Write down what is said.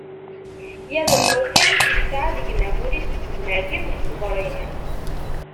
Yal lufan yesɛa deg-m amur-is n tezmert-im d ṣṣber-im.